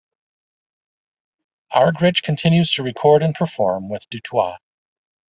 Argerich continues to record and perform with Dutoit.